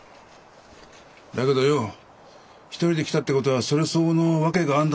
だけどよ一人で来たって事はそれ相応の訳があんだろうよ。